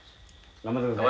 頑張ってください。